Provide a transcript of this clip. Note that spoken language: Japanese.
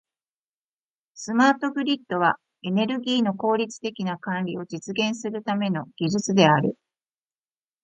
スマートグリッドは、エネルギーの効率的な管理を実現するための技術である。